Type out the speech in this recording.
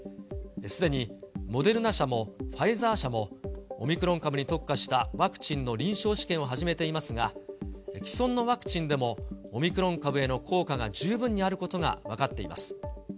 すでにモデルナ社もファイザー社も、オミクロン株に特化したワクチンの臨床試験を始めていますが、既存のワクチンでもオミクロン株への効果が十分にあることが分かっています。